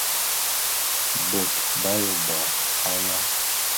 Bôt b'aye bo aya?